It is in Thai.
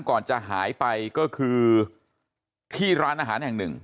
ก่อนจะหายไปก็คือที่ร้านอาหารแห่งหนึ่ง